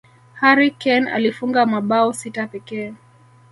harry kane alifunga mabao sita pekee